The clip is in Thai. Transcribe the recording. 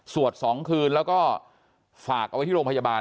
๒คืนแล้วก็ฝากเอาไว้ที่โรงพยาบาล